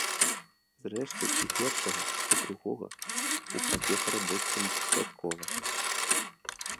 Зрэшты, і першага, і другога ў прафесара больш чым дастаткова.